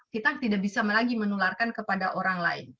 kita tidak bisa lagi menularkan kepada orang lain